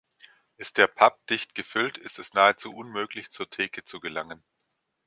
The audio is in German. Ist der Pub dicht gefüllt, ist es nahezu unmöglich, zur Theke zu gelangen.